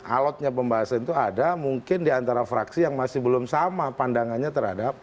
alotnya pembahasan itu ada mungkin diantara fraksi yang masih belum sama pandangannya terhadap